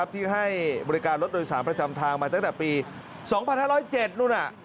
ที่ให้บริการรถโดยสารประจำทางมาตั้งแต่ปี๒๕๐๗นู่น